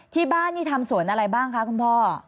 ที่บ้านนี่ทำสวนอะไรบ้างคะคุณพ่อ